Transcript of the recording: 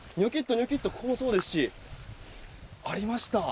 ニョキっとここもそうですしありました。